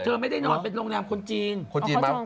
เธอไม่ได้นอนเป็นโรงแรมคนจีน